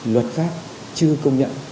luật pháp chưa công nhận